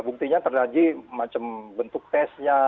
buktinya terdaji macam bentuk tesnya